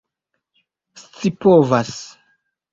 scipovas